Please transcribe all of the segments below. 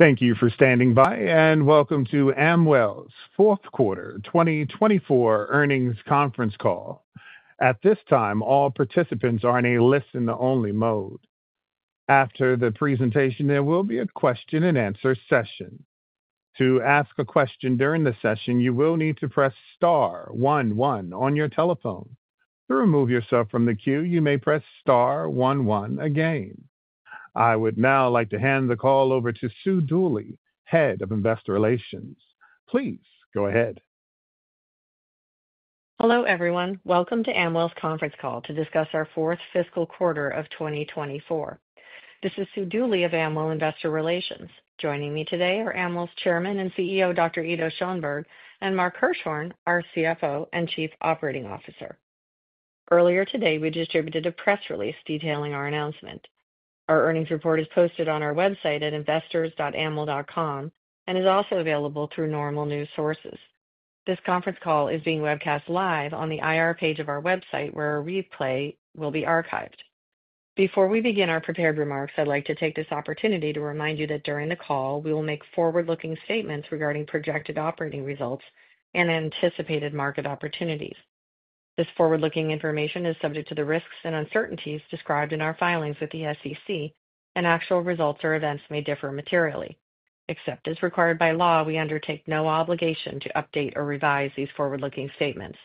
Thank you for standing by, and welcome to Amwell's Fourth Quarter 2024 Earnings Conference Call. At this time, all participants are in a listen-only mode. After the presentation, there will be a question-and-answer session. To ask a question during the session, you will need to press star one one on your telephone. To remove yourself from the queue, you may press star one one again. I would now like to hand the call over to Sue Dooley, Head of Investor Relations. Please go ahead. Hello everyone. Welcome to Amwell's Conference Call to discuss our Fourth Fiscal Quarter of 2024. This is Sue Dooley of Amwell Investor Relations. Joining me today are Amwell's Chairman and CEO, Dr. Ido Schoenberg, and Mark Hirschhorn, our CFO and Chief Operating Officer. Earlier today, we distributed a press release detailing our announcement. Our earnings report is posted on our website at investors.amwell.com and is also available through normal news sources. This conference call is being webcast live on the IR page of our website, where a replay will be archived. Before we begin our prepared remarks, I'd like to take this opportunity to remind you that during the call, we will make forward-looking statements regarding projected operating results and anticipated market opportunities. This forward-looking information is subject to the risks and uncertainties described in our filings with the SEC, and actual results or events may differ materially. Except as required by law, we undertake no obligation to update or revise these forward-looking statements.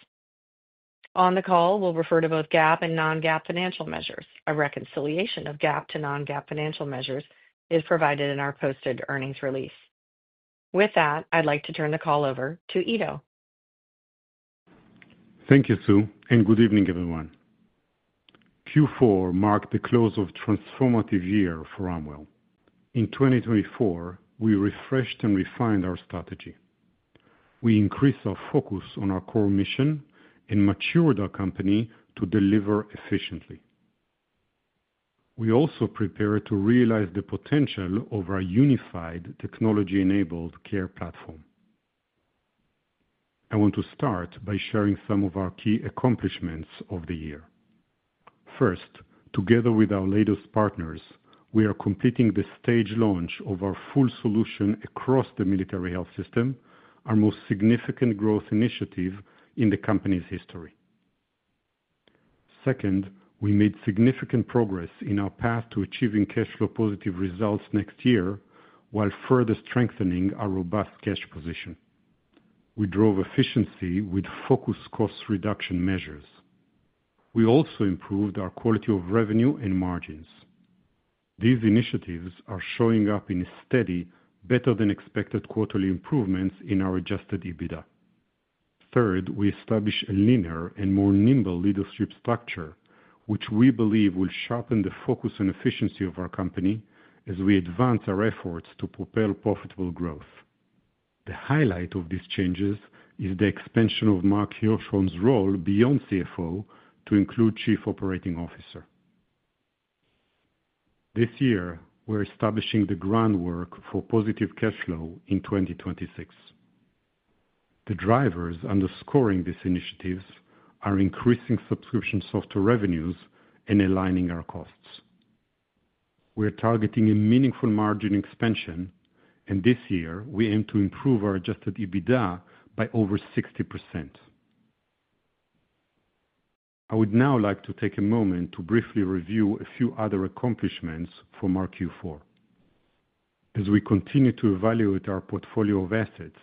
On the call, we'll refer to both GAAP and non-GAAP financial measures. A reconciliation of GAAP to non-GAAP financial measures is provided in our posted earnings release. With that, I'd like to turn the call over to Ido. Thank you, Sue, and good evening, everyone. Q4 marked the close of a transformative year for Amwell. In 2024, we refreshed and refined our strategy. We increased our focus on our core mission and matured our company to deliver efficiently. We also prepared to realize the potential of our unified, technology-enabled care platform. I want to start by sharing some of our key accomplishments of the year. First, together with our latest partners, we are completing the stage launch of our full solution across the military health system, our most significant growth initiative in the company's history. Second, we made significant progress in our path to achieving cash flow positive results next year while further strengthening our robust cash position. We drove efficiency with focused cost reduction measures. We also improved our quality of revenue and margins. These initiatives are showing up in steady, better-than-expected quarterly improvements in our adjusted EBITDA. Third, we established a leaner and more nimble leadership structure, which we believe will sharpen the focus and efficiency of our company as we advance our efforts to propel profitable growth. The highlight of these changes is the expansion of Mark Hirschhorn's role beyond CFO to include Chief Operating Officer. This year, we're establishing the groundwork for positive cash flow in 2026. The drivers underscoring these initiatives are increasing subscription software revenues and aligning our costs. We're targeting a meaningful margin expansion, and this year, we aim to improve our adjusted EBITDA by over 60%. I would now like to take a moment to briefly review a few other accomplishments from our Q4. As we continue to evaluate our portfolio of assets,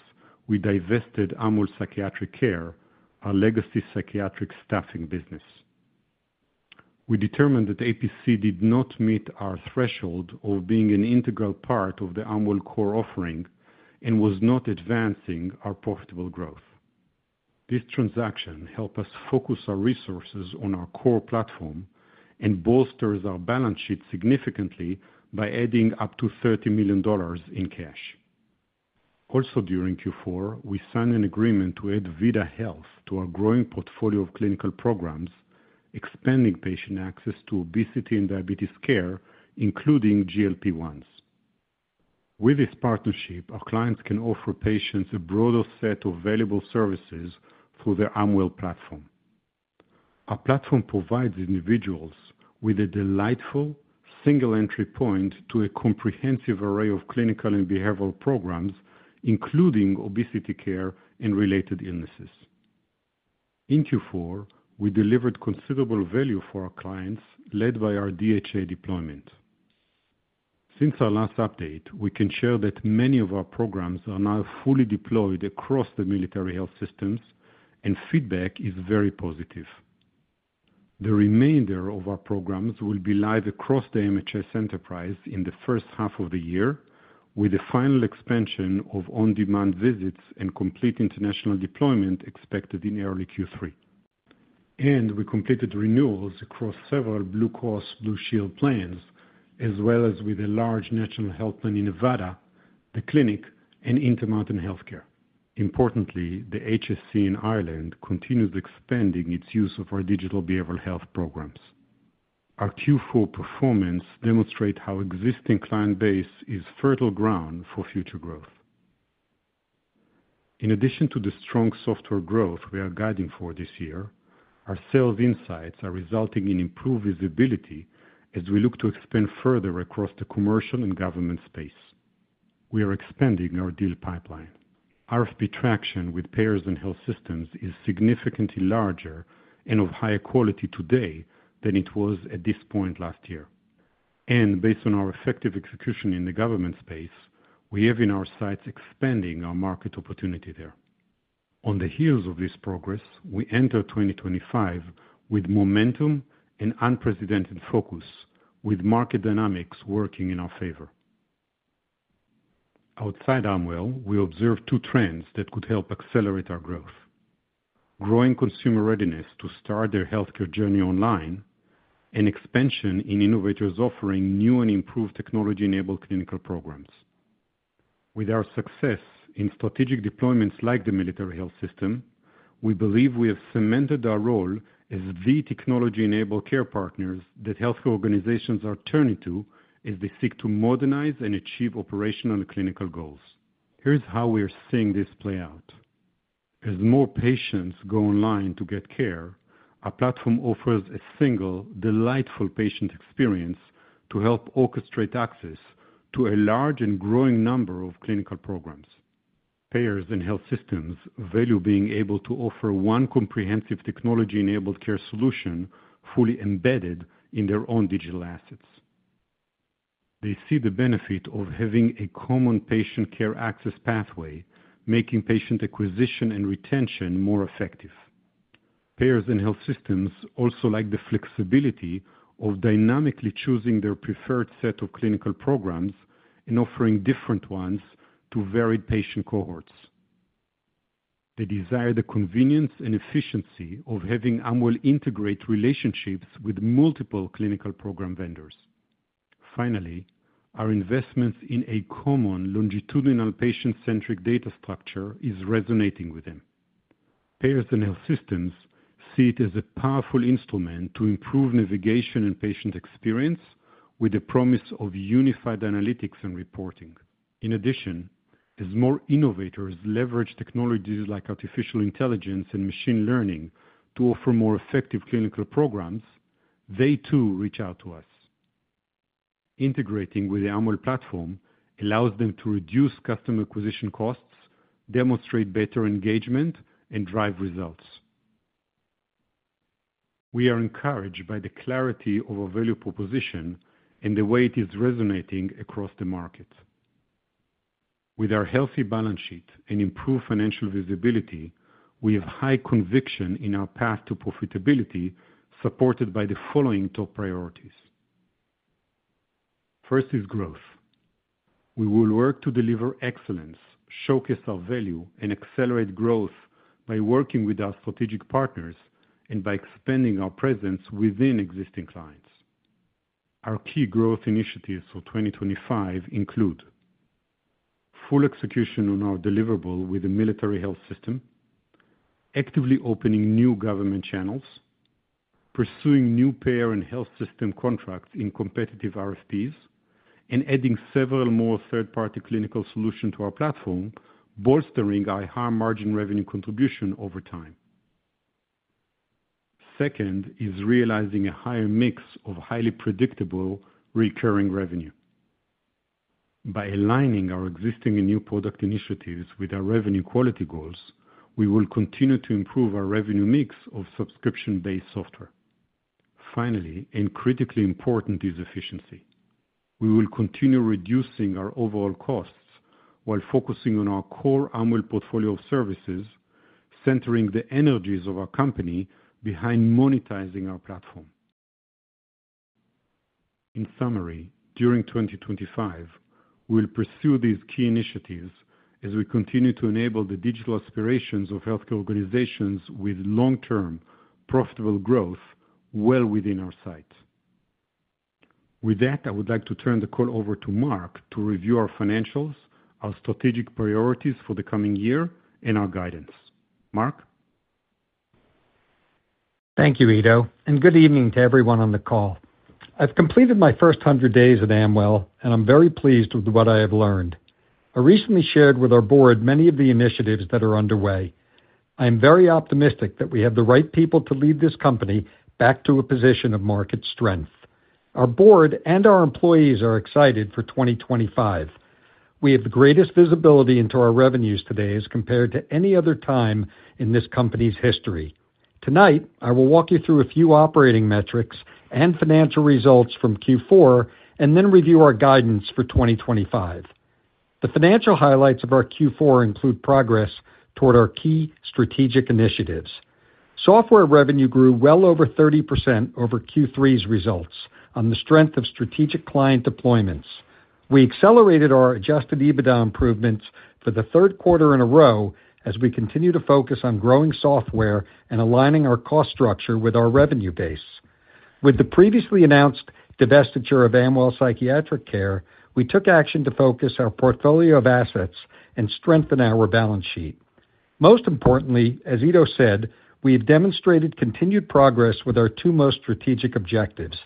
we divested Amwell Psychiatric Care, our legacy psychiatric staffing business. We determined that APC did not meet our threshold of being an integral part of the Amwell core offering and was not advancing our profitable growth. This transaction helped us focus our resources on our core platform and bolstered our balance sheet significantly by adding up to $30 million in cash. Also, during Q4, we signed an agreement to add Vida Health to our growing portfolio of clinical programs, expanding patient access to obesity and diabetes care, including GLP-1s. With this partnership, our clients can offer patients a broader set of valuable services through their Amwell platform. Our platform provides individuals with a delightful single entry point to a comprehensive array of clinical and behavioral programs, including obesity care and related illnesses. In Q4, we delivered considerable value for our clients, led by our DHA deployment. Since our last update, we can share that many of our programs are now fully deployed across the Military Health System, and feedback is very positive. The remainder of our programs will be live across the MHS enterprise in the first half of the year, with a final expansion of on-demand visits and complete international deployment expected in early Q3. We completed renewals across several Blue Cross Blue Shield plans, as well as with a large national health plan in Nevada, the clinic, and Intermountain Healthcare. Importantly, the HSC in Ireland continues expanding its use of our digital behavioral health programs. Our Q4 performance demonstrates how existing client base is fertile ground for future growth. In addition to the strong software growth we are guiding for this year, our sales insights are resulting in improved visibility as we look to expand further across the commercial and government space. We are expanding our deal pipeline. RFP traction with payers and health systems is significantly larger and of higher quality today than it was at this point last year. Based on our effective execution in the government space, we have our sights expanding our market opportunity there. On the heels of this progress, we enter 2025 with momentum and unprecedented focus, with market dynamics working in our favor. Outside Amwell, we observe two trends that could help accelerate our growth: growing consumer readiness to start their healthcare journey online and expansion in innovators offering new and improved technology-enabled clinical programs. With our success in strategic deployments like the military health system, we believe we have cemented our role as the technology-enabled care partners that healthcare organizations are turning to as they seek to modernize and achieve operational and clinical goals. Here's how we are seeing this play out. As more patients go online to get care, our platform offers a single, delightful patient experience to help orchestrate access to a large and growing number of clinical programs. Payers and health systems value being able to offer one comprehensive technology-enabled care solution fully embedded in their own digital assets. They see the benefit of having a common patient care access pathway, making patient acquisition and retention more effective. Payers and health systems also like the flexibility of dynamically choosing their preferred set of clinical programs and offering different ones to varied patient cohorts. They desire the convenience and efficiency of having Amwell integrate relationships with multiple clinical program vendors. Finally, our investments in a common longitudinal patient-centric data structure are resonating with them. Payers and health systems see it as a powerful instrument to improve navigation and patient experience with the promise of unified analytics and reporting. In addition, as more innovators leverage technologies like artificial intelligence and machine learning to offer more effective clinical programs, they too reach out to us. Integrating with the Amwell platform allows them to reduce customer acquisition costs, demonstrate better engagement, and drive results. We are encouraged by the clarity of our value proposition and the way it is resonating across the market. With our healthy balance sheet and improved financial visibility, we have high conviction in our path to profitability supported by the following top priorities. First is growth. We will work to deliver excellence, showcase our value, and accelerate growth by working with our strategic partners and by expanding our presence within existing clients. Our key growth initiatives for 2025 include: full execution on our deliverable with the Military Health System, actively opening new government channels, pursuing new payer and health system contracts in competitive RFPs, and adding several more third-party clinical solutions to our platform, bolstering our high margin revenue contribution over time. Second is realizing a higher mix of highly predictable recurring revenue. By aligning our existing and new product initiatives with our revenue quality goals, we will continue to improve our revenue mix of subscription-based software. Finally, and critically important, is efficiency. We will continue reducing our overall costs while focusing on our core Amwell portfolio of services, centering the energies of our company behind monetizing our platform. In summary, during 2025, we will pursue these key initiatives as we continue to enable the digital aspirations of healthcare organizations with long-term profitable growth well within our sight. With that, I would like to turn the call over to Mark to review our financials, our strategic priorities for the coming year, and our guidance. Mark? Thank you, Ido, and good evening to everyone on the call. I've completed my first 100 days at Amwell, and I'm very pleased with what I have learned. I recently shared with our board many of the initiatives that are underway. I am very optimistic that we have the right people to lead this company back to a position of market strength. Our board and our employees are excited for 2025. We have the greatest visibility into our revenues today as compared to any other time in this company's history. Tonight, I will walk you through a few operating metrics and financial results from Q4 and then review our guidance for 2025. The financial highlights of our Q4 include progress toward our key strategic initiatives. Software revenue grew well over 30% over Q3's results on the strength of strategic client deployments. We accelerated our adjusted EBITDA improvements for the third quarter in a row as we continue to focus on growing software and aligning our cost structure with our revenue base. With the previously announced divestiture of Amwell Psychiatric Care, we took action to focus our portfolio of assets and strengthen our balance sheet. Most importantly, as Ido said, we have demonstrated continued progress with our two most strategic objectives,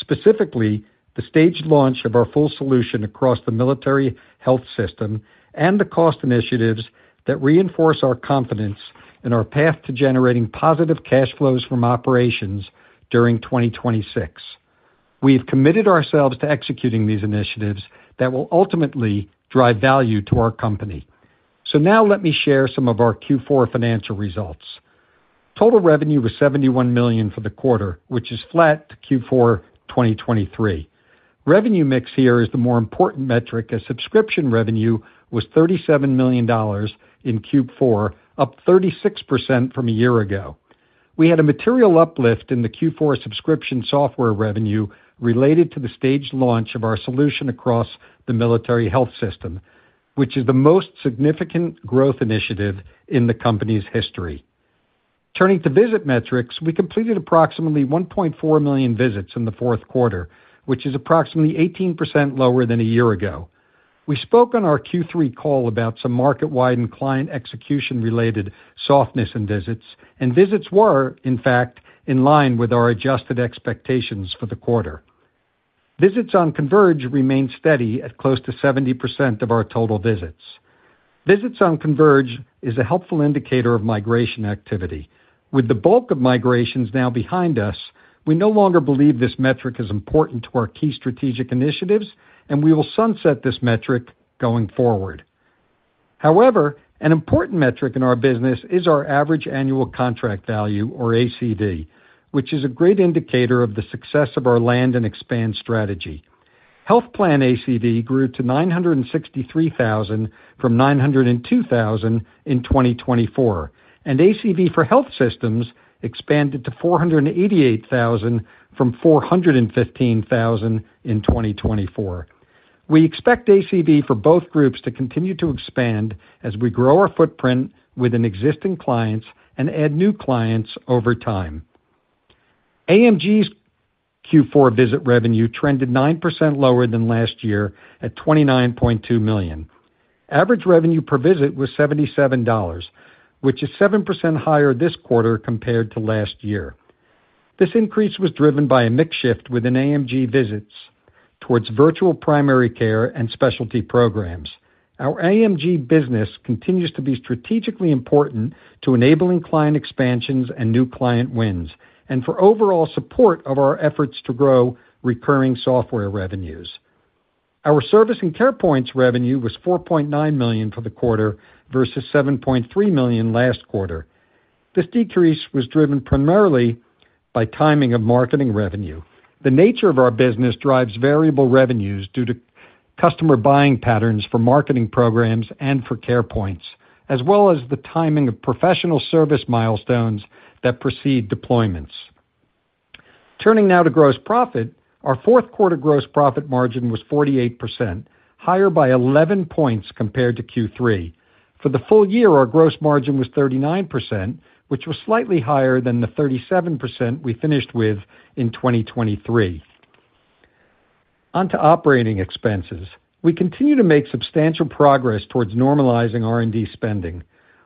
specifically the stage launch of our full solution across the military health system and the cost initiatives that reinforce our confidence in our path to generating positive cash flows from operations during 2026. We have committed ourselves to executing these initiatives that will ultimately drive value to our company. Now let me share some of our Q4 financial results. Total revenue was $71 million for the quarter, which is flat to Q4 2023. Revenue mix here is the more important metric as subscription revenue was $37 million in Q4, up 36% from a year ago. We had a material uplift in the Q4 subscription software revenue related to the stage launch of our solution across the Military Health System, which is the most significant growth initiative in the company's history. Turning to visit metrics, we completed approximately 1.4 million visits in the fourth quarter, which is approximately 18% lower than a year ago. We spoke on our Q3 call about some market-wide and client execution-related softness in visits, and visits were, in fact, in line with our adjusted expectations for the quarter. Visits on Converge remain steady at close to 70% of our total visits. Visits on Converge is a helpful indicator of migration activity. With the bulk of migrations now behind us, we no longer believe this metric is important to our key strategic initiatives, and we will sunset this metric going forward. However, an important metric in our business is our average annual contract value, or ACV, which is a great indicator of the success of our land and expand strategy. Health plan ACV grew to $963,000 from $902,000 in 2024, and ACV for health systems expanded to $488,000 from $415,000 in 2024. We expect ACV for both groups to continue to expand as we grow our footprint within existing clients and add new clients over time. AMG's Q4 visit revenue trended 9% lower than last year at $29.2 million. Average revenue per visit was $77, which is 7% higher this quarter compared to last year. This increase was driven by a mix shift within AMG visits towards virtual primary care and specialty programs. Our AMG business continues to be strategically important to enabling client expansions and new client wins, and for overall support of our efforts to grow recurring software revenues. Our service and Carepoints revenue was $4.9 million for the quarter versus $7.3 million last quarter. This decrease was driven primarily by timing of marketing revenue. The nature of our business drives variable revenues due to customer buying patterns for marketing programs and for Carepoints, as well as the timing of professional service milestones that precede deployments. Turning now to gross profit, our fourth quarter gross profit margin was 48%, higher by 11 percentage points compared to Q3. For the full year, our gross margin was 39%, which was slightly higher than the 37% we finished with in 2023. Onto operating expenses. We continue to make substantial progress towards normalizing R&D spending.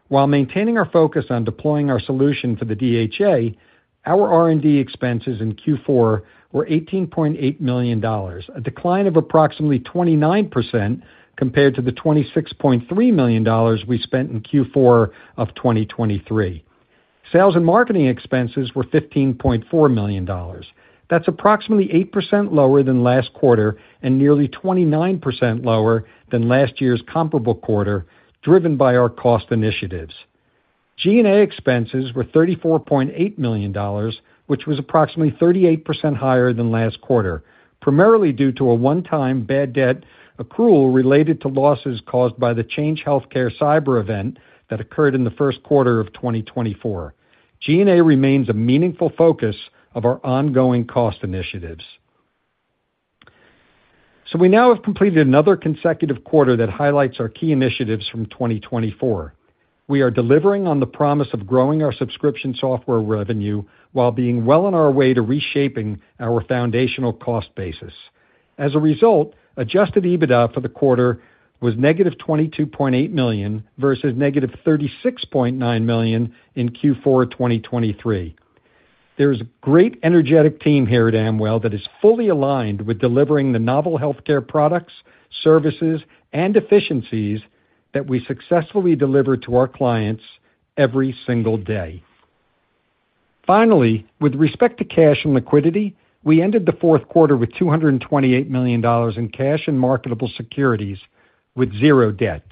While maintaining our focus on deploying our solution for the DHA, our R&D expenses in Q4 were $18.8 million, a decline of approximately 29% compared to the $26.3 million we spent in Q4 of 2023. Sales and marketing expenses were $15.4 million. That's approximately 8% lower than last quarter and nearly 29% lower than last year's comparable quarter, driven by our cost initiatives. G&A expenses were $34.8 million, which was approximately 38% higher than last quarter, primarily due to a one-time bad debt accrual related to losses caused by the Change Healthcare cyber event that occurred in the first quarter of 2024. G&A remains a meaningful focus of our ongoing cost initiatives. We now have completed another consecutive quarter that highlights our key initiatives from 2024. We are delivering on the promise of growing our subscription software revenue while being well on our way to reshaping our foundational cost basis. As a result, adjusted EBITDA for the quarter was -$22.8 million versus - $36.9 million in Q4 2023. There is a great energetic team here at Amwell that is fully aligned with delivering the novel healthcare products, services, and efficiencies that we successfully deliver to our clients every single day. Finally, with respect to cash and liquidity, we ended the fourth quarter with $228 million in cash and marketable securities with zero debt.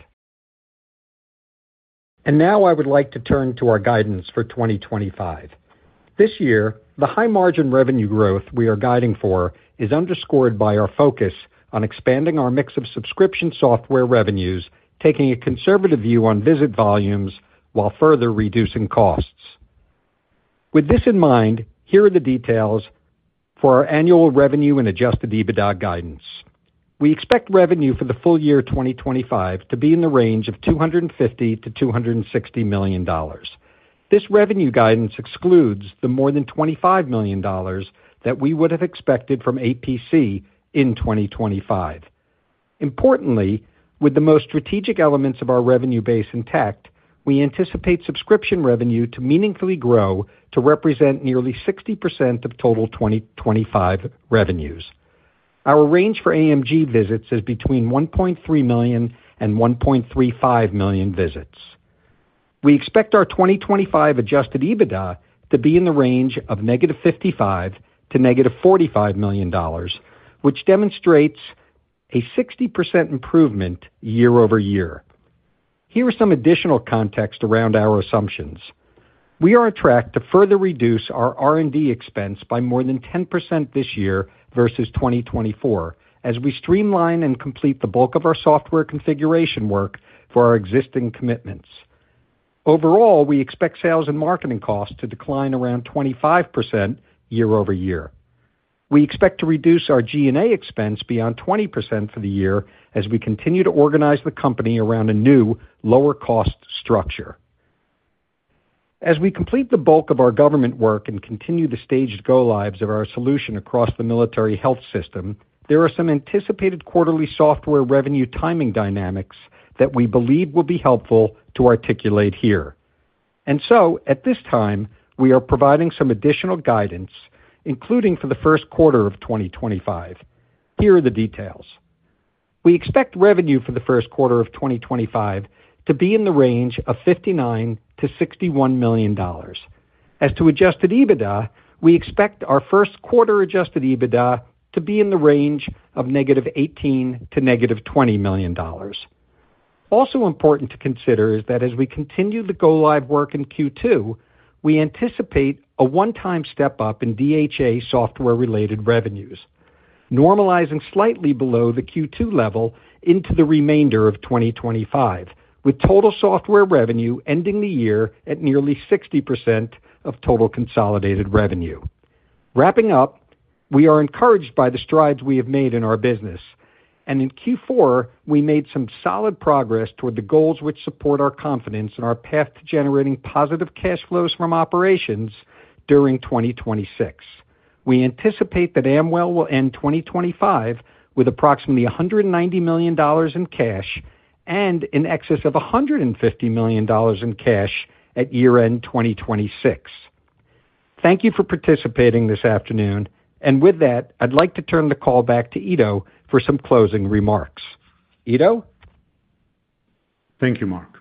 I would like to turn to our guidance for 2025. This year, the high margin revenue growth we are guiding for is underscored by our focus on expanding our mix of subscription software revenues, taking a conservative view on visit volumes while further reducing costs. With this in mind, here are the details for our annual revenue and adjusted EBITDA guidance. We expect revenue for the full year 2025 to be in the range of $250-$260 million. This revenue guidance excludes the more than $25 million that we would have expected from APC in 2025. Importantly, with the most strategic elements of our revenue base intact, we anticipate subscription revenue to meaningfully grow to represent nearly 60% of total 2025 revenues. Our range for AMG visits is between 1.3 million and 1.35 million visits. We expect our 2025 adjusted EBITDA to be in the range of -$55 to -$45 million, which demonstrates a 60% improvement year over year. Here are some additional contexts around our assumptions. We are on track to further reduce our R&D expense by more than 10% this year versus 2024 as we streamline and complete the bulk of our software configuration work for our existing commitments. Overall, we expect sales and marketing costs to decline around 25% year over year. We expect to reduce our G&A expense beyond 20% for the year as we continue to organize the company around a new, lower-cost structure. As we complete the bulk of our government work and continue the staged go-lives of our solution across the military health system, there are some anticipated quarterly software revenue timing dynamics that we believe will be helpful to articulate here. At this time, we are providing some additional guidance, including for the first quarter of 2025. Here are the details. We expect revenue for the first quarter of 2025 to be in the range of $59-$61 million. As to adjusted EBITDA, we expect our first quarter adjusted EBITDA to be in the range of -$18 to -$20 million. Also important to consider is that as we continue the go-live work in Q2, we anticipate a one-time step-up in DHA software-related revenues, normalizing slightly below the Q2 level into the remainder of 2025, with total software revenue ending the year at nearly 60% of total consolidated revenue. Wrapping up, we are encouraged by the strides we have made in our business. In Q4, we made some solid progress toward the goals which support our confidence in our path to generating positive cash flows from operations during 2026. We anticipate that Amwell will end 2025 with approximately $190 million in cash and in excess of $150 million in cash at year-end 2026. Thank you for participating this afternoon. With that, I'd like to turn the call back to Ido for some closing remarks. Ido? Thank you, Mark.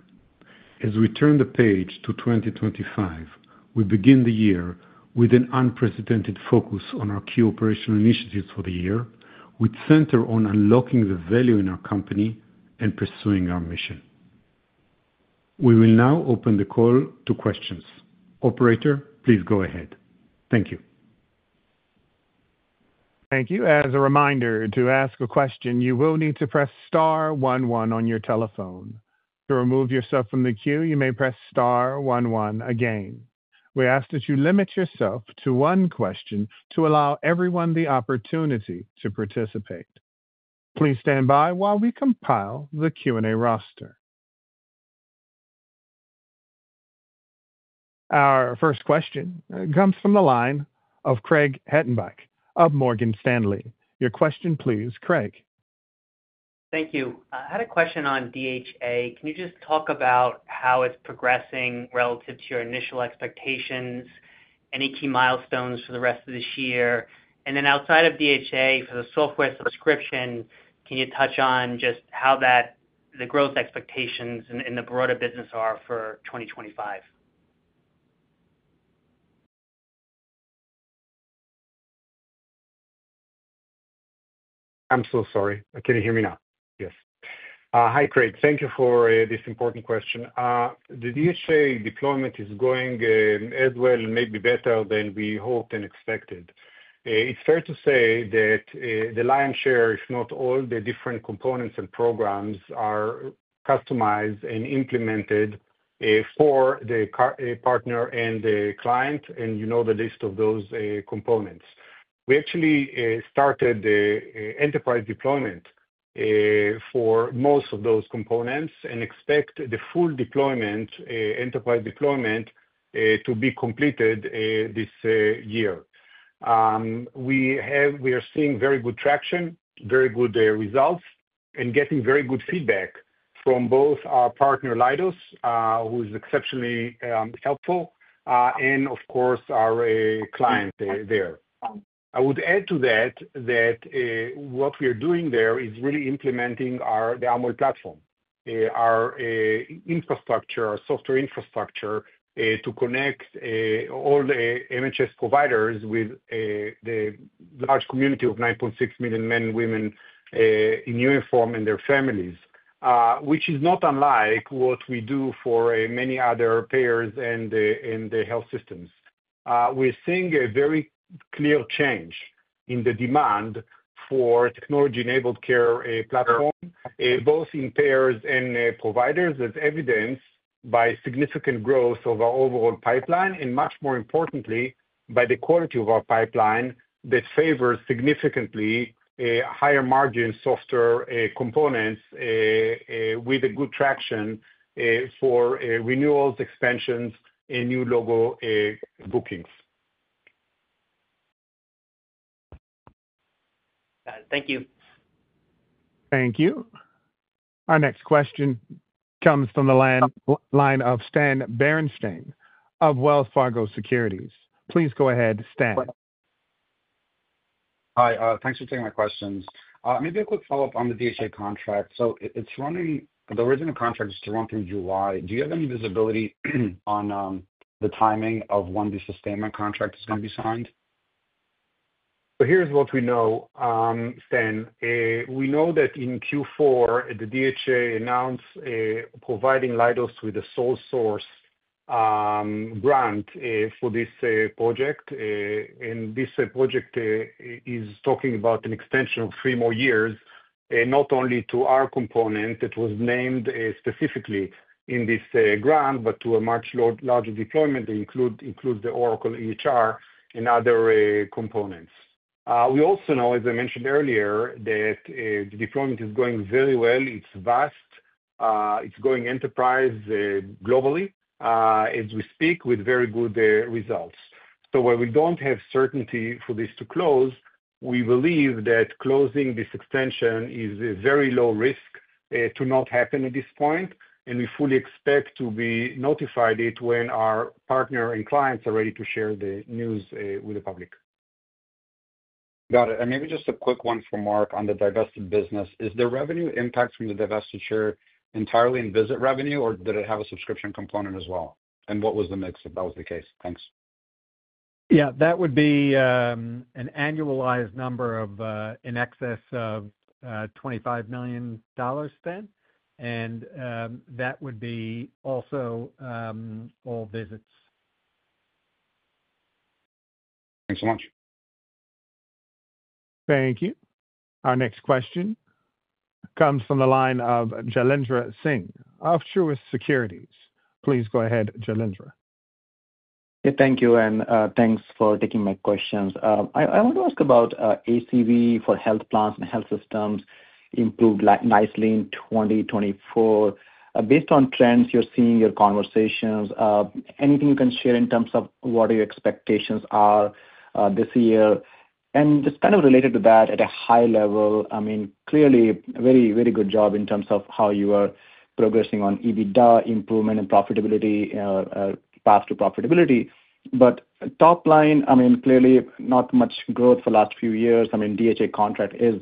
As we turn the page to 2025, we begin the year with an unprecedented focus on our key operational initiatives for the year, which center on unlocking the value in our company and pursuing our mission. We will now open the call to questions. Operator, please go ahead. Thank you. Thank you. As a reminder, to ask a question, you will need to press star one one on your telephone. To remove yourself from the queue, you may press star one one again. We ask that you limit yourself to one question to allow everyone the opportunity to participate. Please stand by while we compile the Q&A roster. Our first question comes from the line of Craig Hettenbach of Morgan Stanley. Your question, please, Craig. Thank you. I had a question on DHA. Can you just talk about how it's progressing relative to your initial expectations, any key milestones for the rest of this year? Outside of DHA, for the software subscription, can you touch on just how the growth expectations in the broader business are for 2025? I'm so sorry. Can you hear me now? Yes. Hi, Craig. Thank you for this important question. The DHA deployment is going as well, maybe better than we hoped and expected. It's fair to say that the lion's share, if not all, the different components and programs are customized and implemented for the partner and the client, and you know the list of those components. We actually started the enterprise deployment for most of those components and expect the full enterprise deployment to be completed this year. We are seeing very good traction, very good results, and getting very good feedback from both our partner, Leidos, who is exceptionally helpful, and of course, our client there. I would add to that that what we are doing there is really implementing the Amwell platform, our infrastructure, our software infrastructure to connect all MHS providers with the large community of 9.6 million men and women in uniform and their families, which is not unlike what we do for many other payers and the health systems. We're seeing a very clear change in the demand for technology-enabled care platform, both in payers and providers, as evidenced by significant growth of our overall pipeline and, much more importantly, by the quality of our pipeline that favors significantly higher-margin software components with a good traction for renewals, expansions, and new logo bookings. Thank you. Thank you. Our next question comes from the line of Stan Berenstain of Wells Fargo Securities. Please go ahead, Stan. Hi. Thanks for taking my questions. Maybe a quick follow-up on the DHA contract. The original contract is to run through July. Do you have any visibility on the timing of when the sustainment contract is going to be signed? Here's what we know, Stan. We know that in Q4, the DHA announced providing Leidos with a sole source grant for this project. This project is talking about an extension of three more years, not only to our component that was named specifically in this grant, but to a much larger deployment that includes the Oracle EHR and other components. We also know, as I mentioned earlier, that the deployment is going very well. It's vast. It's going enterprise globally as we speak, with very good results. While we do not have certainty for this to close, we believe that closing this extension is a very low risk to not happen at this point. We fully expect to be notified when our partner and clients are ready to share the news with the public. Got it. Maybe just a quick one for Mark on the divested business. Is the revenue impact from the divestiture entirely in visit revenue, or did it have a subscription component as well? What was the mix if that was the case? Thanks. Yeah, that would be an annualized number in excess of $25 million, Stan. That would be also all visits. Thanks so much. Thank you. Our next question comes from the line of Jailendra Singh, of Truist Securities. Please go ahead, Jailendra. Thank you. Thanks for taking my questions. I want to ask about ACV for health plans and health systems improved nicely in 2024. Based on trends you're seeing in your conversations, anything you can share in terms of what your expectations are this year? Just kind of related to that at a high level, I mean, clearly, very, very good job in terms of how you are progressing on EBITDA improvement and profitability, path to profitability. Top line, I mean, clearly, not much growth for the last few years. I mean, DHA contract is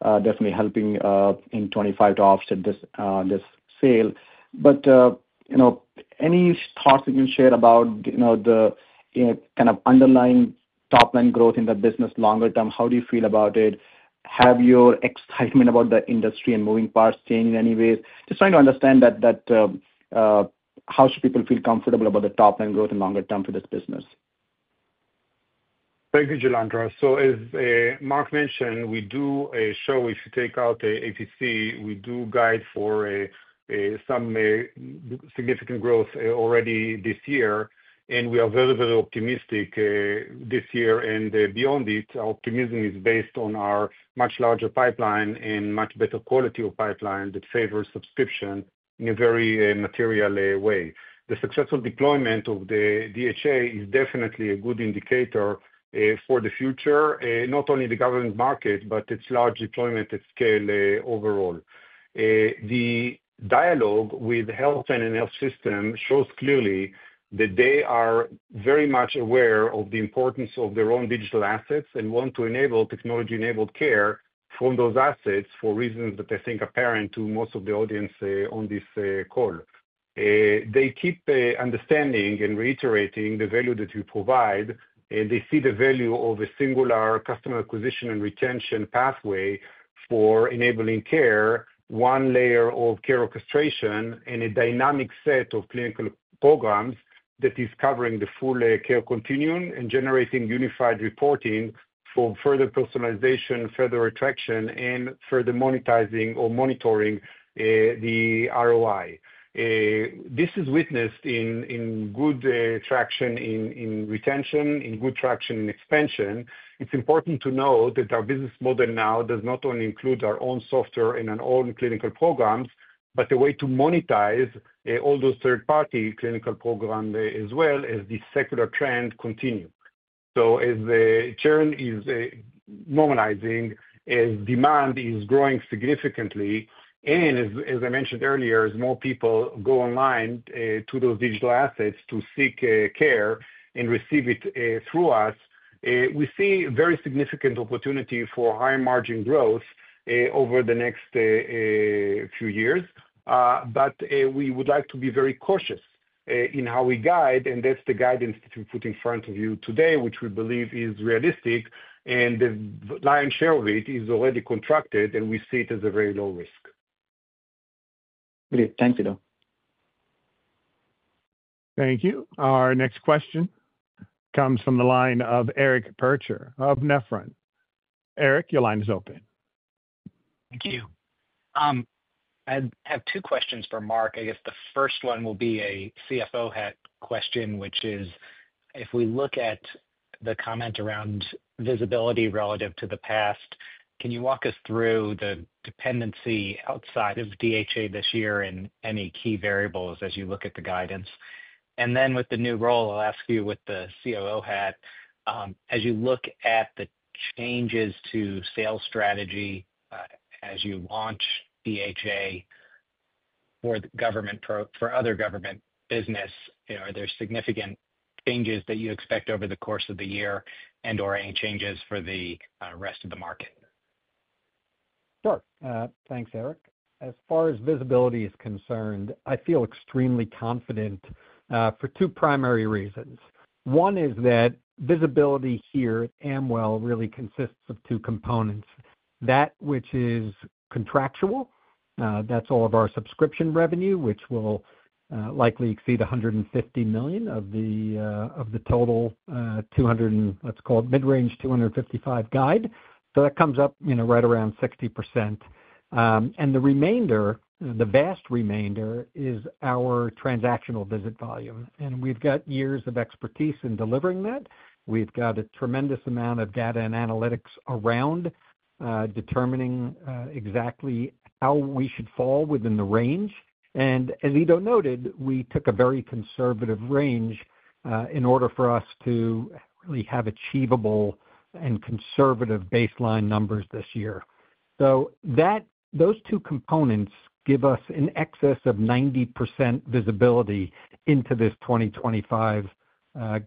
definitely helping in 2025 to offset this sale. Any thoughts you can share about the kind of underlying top-line growth in the business longer term? How do you feel about it? Have your excitement about the industry and moving parts changed in any way? Just trying to understand how should people feel comfortable about the top-line growth in longer term for this business. Thank you, Jailendra. As Mark mentioned, we do show, if you take out the APC, we do guide for some significant growth already this year. We are very, very optimistic this year. Beyond it, our optimism is based on our much larger pipeline and much better quality of pipeline that favors subscription in a very material way. The successful deployment of the DHA is definitely a good indicator for the future, not only the government market, but its large deployment at scale overall. The dialogue with health and health system shows clearly that they are very much aware of the importance of their own digital assets and want to enable technology-enabled care from those assets for reasons that I think are apparent to most of the audience on this call. They keep understanding and reiterating the value that you provide. They see the value of a singular customer acquisition and retention pathway for enabling care, one layer of care orchestration, and a dynamic set of clinical programs that is covering the full care continuum and generating unified reporting for further personalization, further retraction, and further monetizing or monitoring the ROI. This is witnessed in good traction in retention, in good traction in expansion. It's important to note that our business model now does not only include our own software and our own clinical programs, but the way to monetize all those third-party clinical programs as well as the secular trend continues. As the churn is normalizing, as demand is growing significantly, and as I mentioned earlier, as more people go online to those digital assets to seek care and receive it through us, we see very significant opportunity for high-margin growth over the next few years. We would like to be very cautious in how we guide. That is the guidance that we put in front of you today, which we believe is realistic. The lion's share of it is already contracted, and we see it as a very low risk. Great. Thanks, Ido. Thank you. Our next question comes from the line of Eric Percher of Nephron. Eric, your line is open. Thank you. I have two questions for Mark. I guess the first one will be a CFO hat question, which is, if we look at the comment around visibility relative to the past, can you walk us through the dependency outside of DHA this year and any key variables as you look at the guidance? With the new role, I'll ask you with the Chief Operating Officer hat, as you look at the changes to sales strategy as you launch DHA for other government business, are there significant changes that you expect over the course of the year and/or any changes for the rest of the market? Sure. Thanks, Eric. As far as visibility is concerned, I feel extremely confident for two primary reasons. One is that visibility here at Amwell really consists of two components. That which is contractual, that's all of our subscription revenue, which will likely exceed $150 million of the total $200 million, let's call it mid-range $255 million guide. That comes up right around 60%. The remainder, the vast remainder, is our transactional visit volume. We've got years of expertise in delivering that. We've got a tremendous amount of data and analytics around determining exactly how we should fall within the range. As Ido noted, we took a very conservative range in order for us to really have achievable and conservative baseline numbers this year. Those two components give us an excess of 90% visibility into this 2025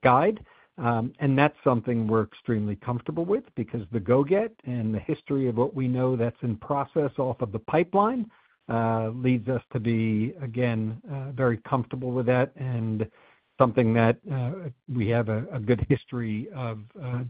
guide. That is something we are extremely comfortable with because the go-get and the history of what we know that is in process off of the pipeline leads us to be, again, very comfortable with that and something that we have a good history of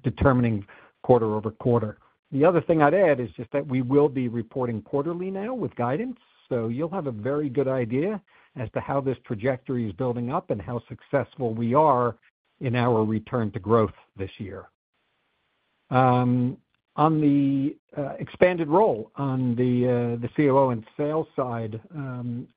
determining quarter over quarter. The other thing I would add is just that we will be reporting quarterly now with guidance. You will have a very good idea as to how this trajectory is building up and how successful we are in our return to growth this year. On the expanded role on the Chief Operating Officer and sales side,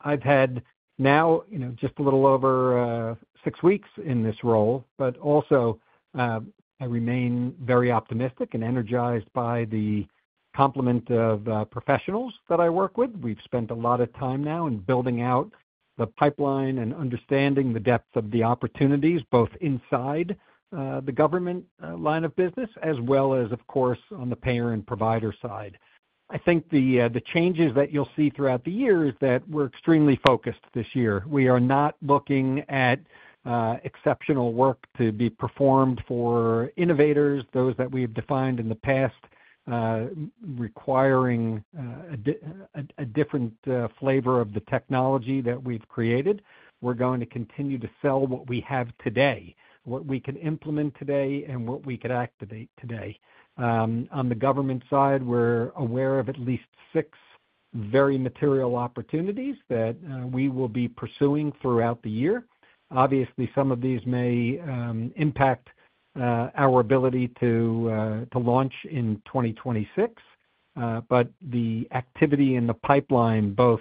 I have had now just a little over six weeks in this role, but also I remain very optimistic and energized by the complement of professionals that I work with. We've spent a lot of time now in building out the pipeline and understanding the depth of the opportunities, both inside the government line of business as well as, of course, on the payer and provider side. I think the changes that you'll see throughout the year is that we're extremely focused this year. We are not looking at exceptional work to be performed for innovators, those that we have defined in the past requiring a different flavor of the technology that we've created. We're going to continue to sell what we have today, what we can implement today, and what we can activate today. On the government side, we're aware of at least six very material opportunities that we will be pursuing throughout the year. Obviously, some of these may impact our ability to launch in 2026. The activity in the pipeline, both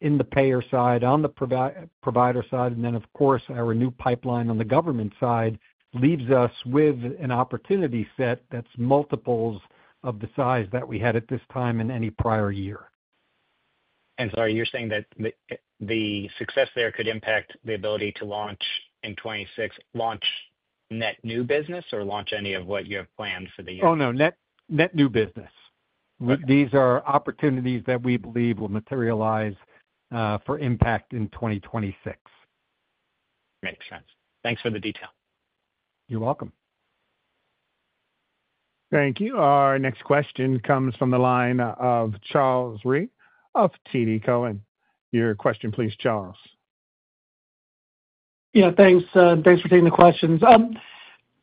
in the payer side, on the provider side, and then, of course, our new pipeline on the government side leaves us with an opportunity set that's multiples of the size that we had at this time in any prior year. Sorry, you're saying that the success there could impact the ability to launch in 2026, launch net new business or launch any of what you have planned for the year? Oh, no, net new business. These are opportunities that we believe will materialize for impact in 2026. Makes sense. Thanks for the detail. You're welcome. Thank you. Our next question comes from the line of Charles Reid of TD Cowen. Your question, please, Charles. Yeah, thanks. Thanks for taking the questions.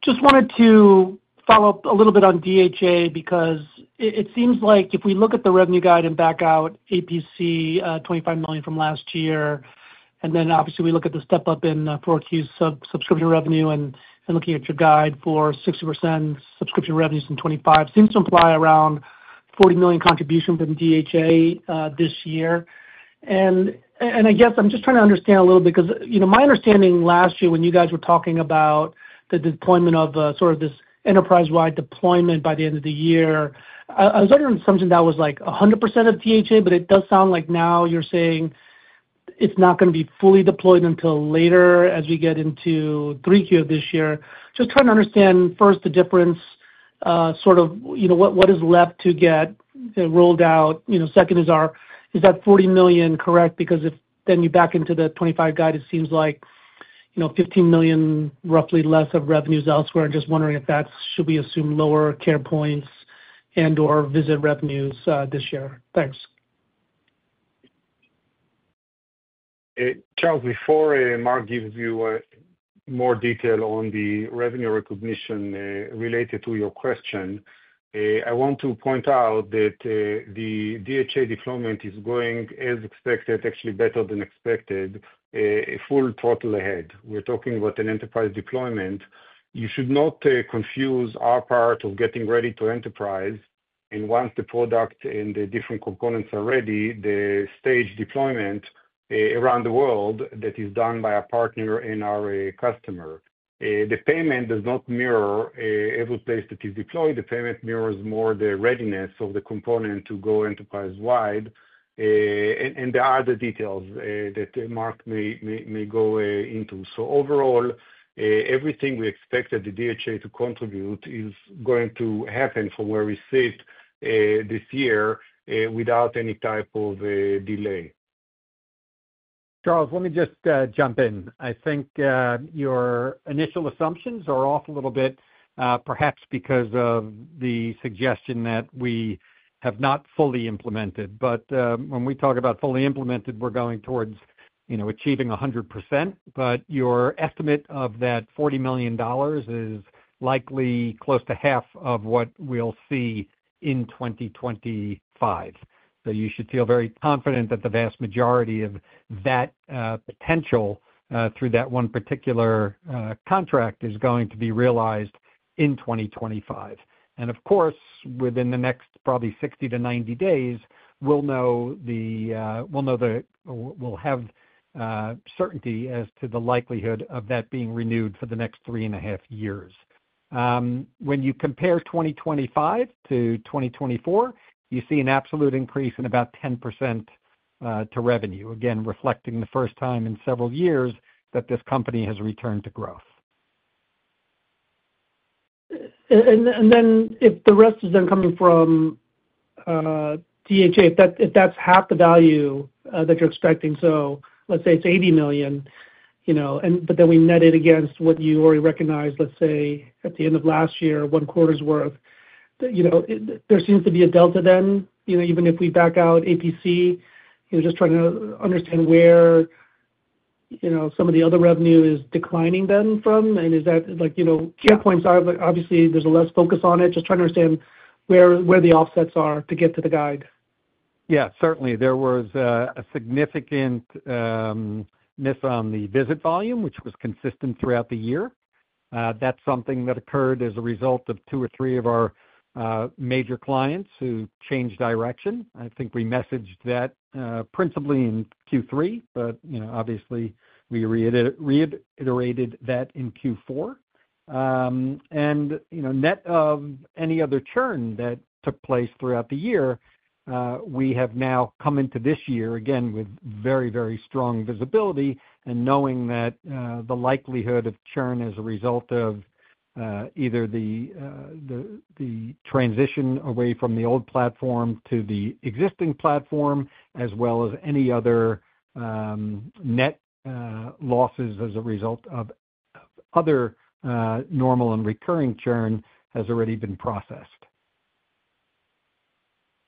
Just wanted to follow up a little bit on DHA because it seems like if we look at the revenue guide and back out APC, $25 million from last year, and then obviously we look at the step up in 4Q subscription revenue and looking at your guide for 60% subscription revenues in 2025, seems to imply around $40 million contribution from DHA this year. I guess I'm just trying to understand a little bit because my understanding last year when you guys were talking about the deployment of sort of this enterprise-wide deployment by the end of the year, I was under the assumption that was like 100% of DHA, but it does sound like now you're saying it's not going to be fully deployed until later as we get into 3Q of this year. Just trying to understand first the difference, sort of what is left to get rolled out. Second, is that $40 million correct? Because then you back into the $25 million guide, it seems like $15 million, roughly, less of revenues elsewhere. I'm just wondering if that should we assume lower Carepoints and/or visit revenues this year. Thanks. Charles, before Mark gives you more detail on the revenue recognition related to your question, I want to point out that the DHA deployment is going, as expected, actually better than expected, full throttle ahead. We're talking about an enterprise deployment. You should not confuse our part of getting ready to enterprise. Once the product and the different components are ready, the stage deployment around the world that is done by a partner and our customer. The payment does not mirror every place that is deployed. The payment mirrors more the readiness of the component to go enterprise-wide and the other details that Mark may go into. Overall, everything we expect the DHA to contribute is going to happen from where we sit this year without any type of delay. Charles, let me just jump in. I think your initial assumptions are off a little bit, perhaps because of the suggestion that we have not fully implemented. When we talk about fully implemented, we're going towards achieving 100%. Your estimate of that $40 million is likely close to half of what we'll see in 2025. You should feel very confident that the vast majority of that potential through that one particular contract is going to be realized in 2025. Of course, within the next probably 60-90 days, we'll have certainty as to the likelihood of that being renewed for the next three and a half years. When you compare 2025 to 2024, you see an absolute increase in about 10% to revenue, again, reflecting the first time in several years that this company has returned to growth. If the rest is then coming from DHA, if that's half the value that you're expecting, so let's say it's $80 million, but then we net it against what you already recognized, let's say at the end of last year, one quarter's worth, there seems to be a delta then, even if we back out APC, just trying to understand where some of the other revenue is declining then from. Is that Carepoints are obviously there's less focus on it, just trying to understand where the offsets are to get to the guide. Yeah, certainly. There was a significant miss on the visit volume, which was consistent throughout the year. That's something that occurred as a result of two or three of our major clients who changed direction. I think we messaged that principally in Q3, but obviously we reiterated that in Q4. Net of any other churn that took place throughout the year, we have now come into this year again with very, very strong visibility and knowing that the likelihood of churn as a result of either the transition away from the old platform to the existing platform, as well as any other net losses as a result of other normal and recurring churn, has already been processed.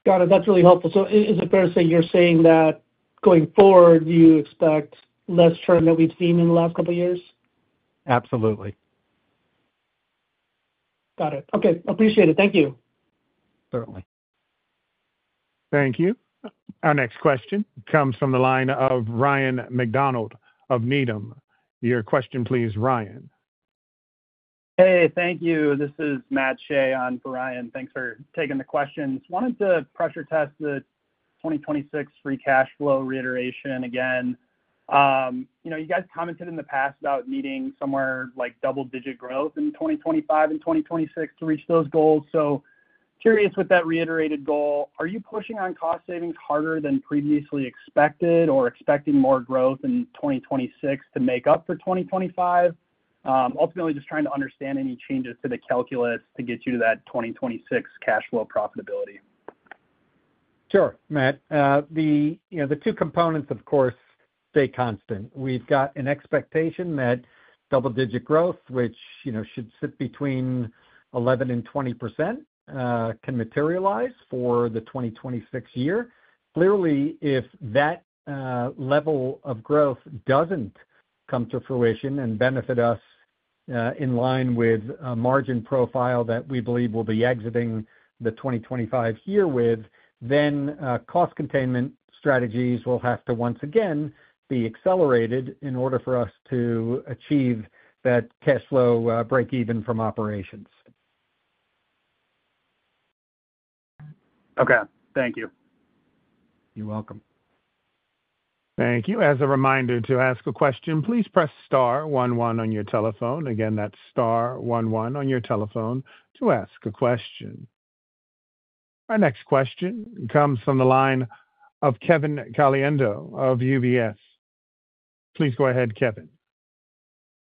Got it. That's really helpful. Is it fair to say you're saying that going forward, you expect less churn that we've seen in the last couple of years? Absolutely. Got it. Okay. Appreciate it. Thank you. Certainly. Thank you. Our next question comes from the line of Ryan MacDonald of Needham. Your question please, Ryan. Hey, thank you. This is Matt Shea on for Ryan. Thanks for taking the questions. Wanted to pressure test the 2026 free cash flow reiteration again. You guys commented in the past about needing somewhere like double-digit growth in 2025 and 2026 to reach those goals. Curious with that reiterated goal, are you pushing on cost savings harder than previously expected or expecting more growth in 2026 to make up for 2025? Ultimately, just trying to understand any changes to the calculus to get you to that 2026 cash flow profitability. Sure, Matt. The two components, of course, stay constant. We've got an expectation that double-digit growth, which should sit between 11% and 20%, can materialize for the 2026 year. Clearly, if that level of growth doesn't come to fruition and benefit us in line with a margin profile that we believe we'll be exiting the 2025 year with, then cost containment strategies will have to once again be accelerated in order for us to achieve that cash flow break-even from operations. Okay. Thank you. You're welcome. Thank you. As a reminder to ask a question, please press star one one on your telephone. Again, that's star one one on your telephone to ask a question. Our next question comes from the line of Kevin Caliendo of UBS. Please go ahead, Kevin.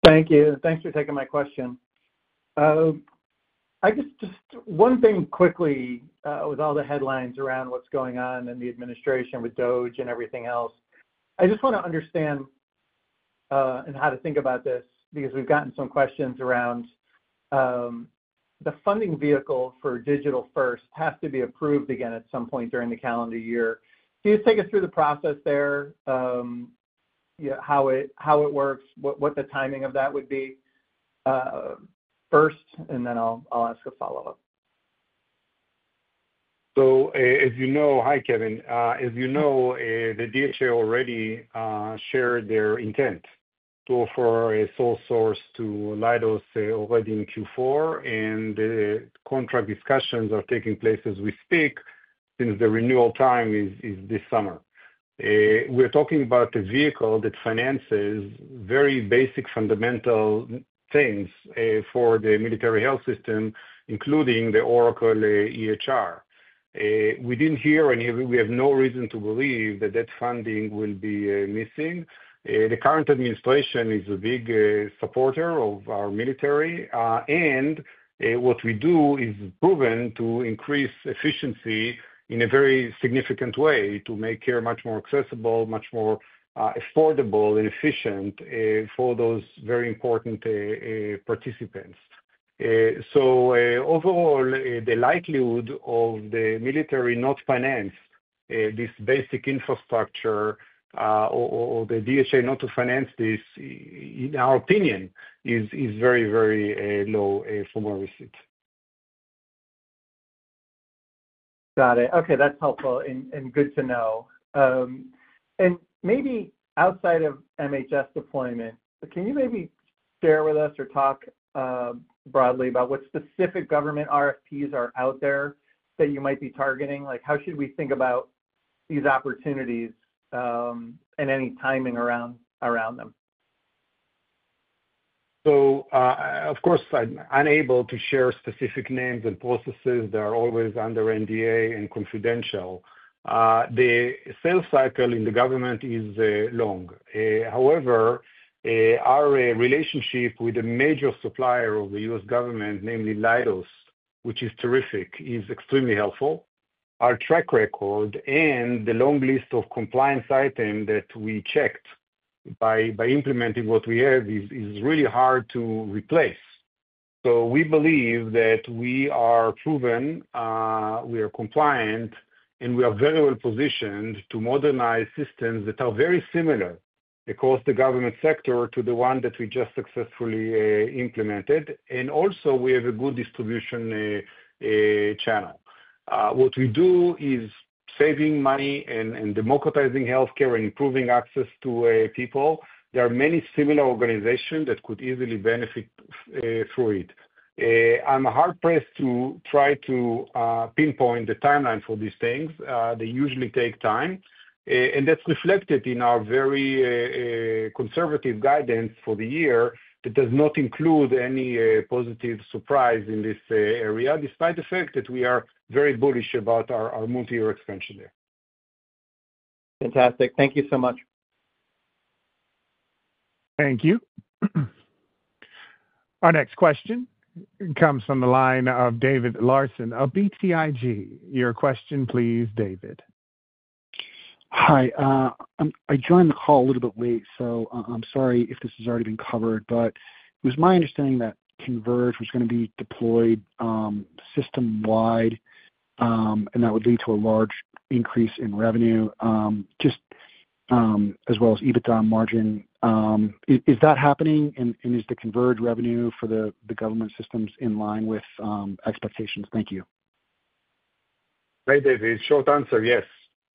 Thank you. Thanks for taking my question. I guess just one thing quickly with all the headlines around what's going on in the administration with DoD and everything else. I just want to understand and how to think about this because we've gotten some questions around the funding vehicle for Digital First has to be approved again at some point during the calendar year. Can you take us through the process there, how it works, what the timing of that would be first, and then I'll ask a follow-up? As you know, hi, Kevin. As you know, the DHA already shared their intent to offer a sole source to Leidos already in Q4, and the contract discussions are taking place as we speak since the renewal time is this summer. We're talking about a vehicle that finances very basic fundamental things for the Military Health System, including the Oracle EHR. We didn't hear, and we have no reason to believe that that funding will be missing. The current administration is a big supporter of our military, and what we do is proven to increase efficiency in a very significant way to make care much more accessible, much more affordable, and efficient for those very important participants. Overall, the likelihood of the military not finance this basic infrastructure or the DHA not to finance this, in our opinion, is very, very low from where we sit. Got it. Okay. That's helpful and good to know. Maybe outside of MHS deployment, can you maybe share with us or talk broadly about what specific government RFPs are out there that you might be targeting? How should we think about these opportunities and any timing around them? Of course, I'm unable to share specific names and processes. They are always under NDA and confidential. The sales cycle in the government is long. However, our relationship with the major supplier of the U.S. government, namely Leidos, which is terrific, is extremely helpful. Our track record and the long list of compliance items that we checked by implementing what we have is really hard to replace. We believe that we are proven, we are compliant, and we are very well positioned to modernize systems that are very similar across the government sector to the one that we just successfully implemented. We also have a good distribution channel. What we do is saving money and democratizing healthcare and improving access to people. There are many similar organizations that could easily benefit through it. I'm hard-pressed to try to pinpoint the timeline for these things. They usually take time, and that's reflected in our very conservative guidance for the year that does not include any positive surprise in this area, despite the fact that we are very bullish about our multi-year expansion there. Fantastic. Thank you so much. Thank you. Our next question comes from the line of David Larsen of BTIG. Your question, please, David. Hi. I joined the call a little bit late, so I'm sorry if this has already been covered, but it was my understanding that Converge was going to be deployed system-wide, and that would lead to a large increase in revenue just as well as EBITDA margin. Is that happening, and is the Converge revenue for the government systems in line with expectations? Thank you. Hey, David, short answer, yes.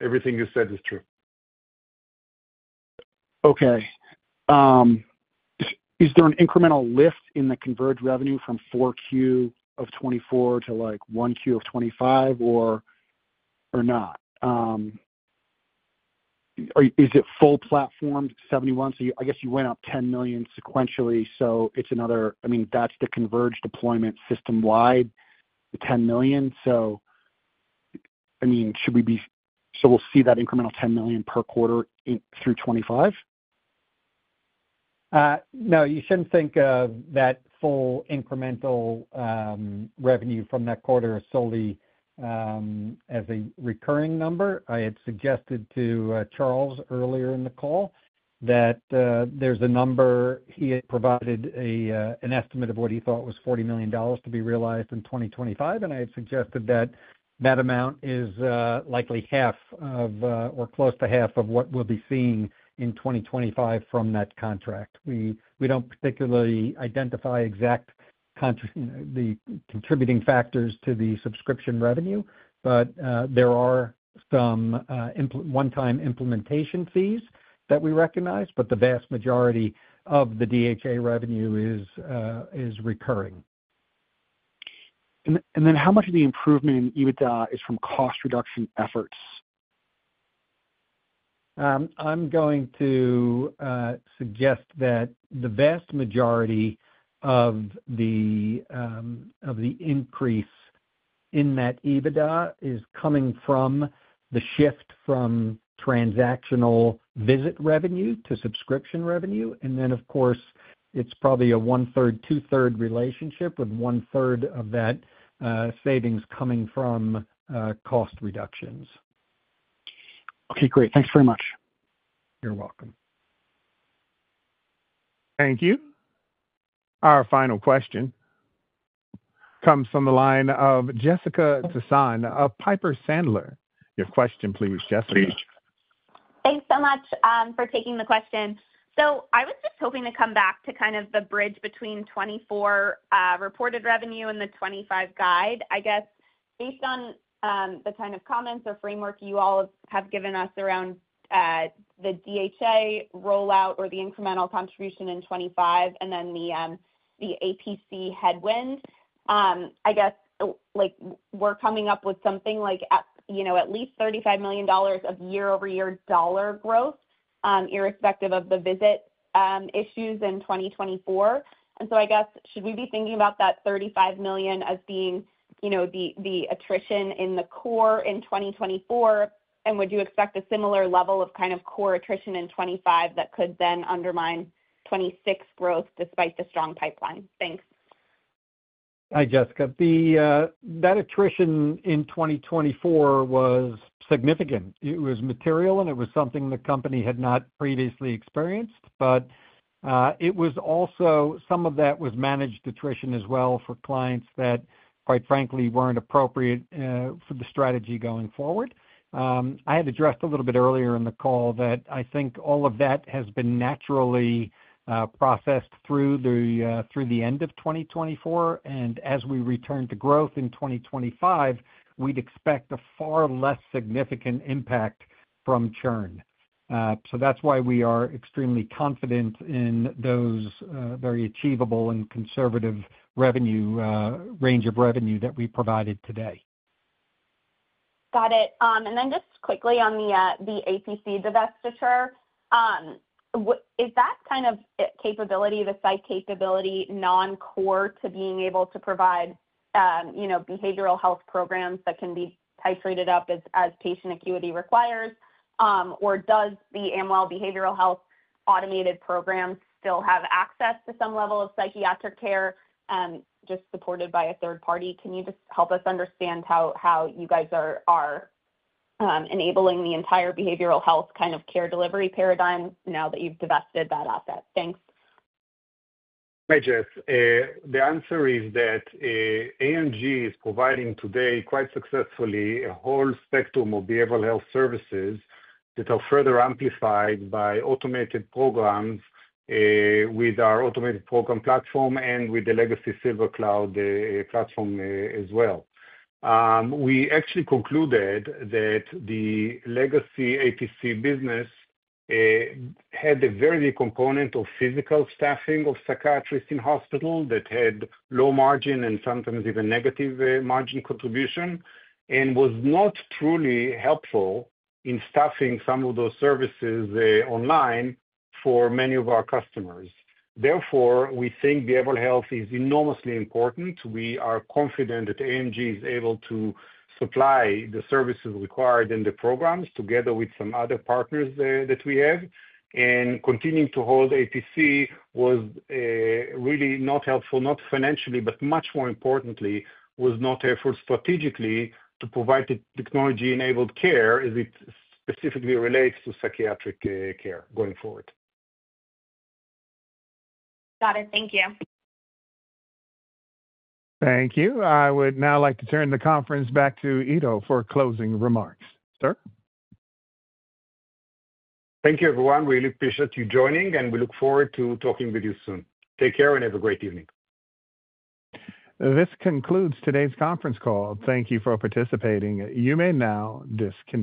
Everything you said is true. Okay. Is there an incremental lift in the Converge revenue from Q4 of 2024 to Q1 of 2025 or not? Is it full platform 71? I guess you went up $10 million sequentially, so it's another, I mean, that's the Converge deployment system-wide, the $10 million. I mean, should we be, so we'll see that incremental $10 million per quarter through 2025? No, you shouldn't think of that full incremental revenue from that quarter solely as a recurring number. I had suggested to Charles earlier in the call that there's a number he had provided an estimate of what he thought was $40 million to be realized in 2025, and I had suggested that that amount is likely half of or close to half of what we'll be seeing in 2025 from that contract. We don't particularly identify exact contributing factors to the subscription revenue, but there are some one-time implementation fees that we recognize, but the vast majority of the DHA revenue is recurring. How much of the improvement in EBITDA is from cost reduction efforts? I'm going to suggest that the vast majority of the increase in that EBITDA is coming from the shift from transactional visit revenue to subscription revenue. Of course, it's probably a one-third, two-third relationship with one-third of that savings coming from cost reductions. Okay. Great. Thanks very much. You're welcome. Thank you. Our final question comes from the line of Jessica Tassan at Piper Sandler. Your question, please, Jessica. Thanks so much for taking the question. I was just hoping to come back to kind of the bridge between '24 reported revenue and the '25 guide. I guess based on the kind of comments or framework you all have given us around the DHA rollout or the incremental contribution in '25 and then the APC headwind, I guess we're coming up with something like at least $35 million of year-over-year dollar growth irrespective of the visit issues in 2024. I guess should we be thinking about that $35 million as being the attrition in the core in 2024? Would you expect a similar level of kind of core attrition in '25 that could then undermine '26 growth despite the strong pipeline? Thanks. Hi, Jessica. That attrition in 2024 was significant. It was material, and it was something the company had not previously experienced, but it was also some of that was managed attrition as well for clients that, quite frankly, were not appropriate for the strategy going forward. I had addressed a little bit earlier in the call that I think all of that has been naturally processed through the end of 2024. As we return to growth in 2025, we would expect a far less significant impact from churn. That is why we are extremely confident in those very achievable and conservative range of revenue that we provided today. Got it. Just quickly on the APC divestiture, is that kind of capability, the psych capability, non-core to being able to provide behavioral health programs that can be titrated up as patient acuity requires? Does the Amwell behavioral health automated program still have access to some level of psychiatric care just supported by a third party? Can you help us understand how you guys are enabling the entire behavioral health kind of care delivery paradigm now that you've divested that asset? Thanks. Hi, Jess. The answer is that AMG is providing today quite successfully a whole spectrum of behavioral health services that are further amplified by automated programs with our automated program platform and with the legacy SilverCloud platform as well. We actually concluded that the legacy APC business had a very big component of physical staffing of psychiatrists in hospital that had low margin and sometimes even negative margin contribution and was not truly helpful in staffing some of those services online for many of our customers. Therefore, we think behavioral health is enormously important. We are confident that AMG is able to supply the services required in the programs together with some other partners that we have. Continuing to hold APC was really not helpful, not financially, but much more importantly, was not helpful strategically to provide the technology-enabled care as it specifically relates to psychiatric care going forward. Got it. Thank you. Thank you. I would now like to turn the conference back to Ido for closing remarks. Sir. Thank you, everyone. Really appreciate you joining, and we look forward to talking with you soon. Take care and have a great evening. This concludes today's conference call. Thank you for participating. You may now disconnect.